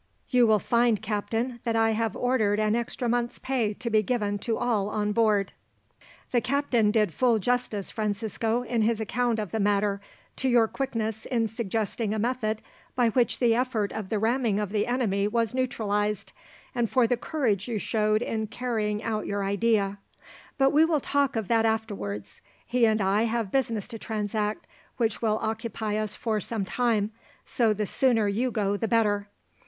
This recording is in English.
"You will find, captain, that I have ordered an extra month's pay to be given to all on board. "The captain did full justice, Francisco, in his account of the matter, to your quickness in suggesting a method by which the effort of the ramming of the enemy was neutralized, and for the courage you showed in carrying out your idea; but we will talk of that afterwards. He and I have business to transact which will occupy us for some time, so the sooner you go the better."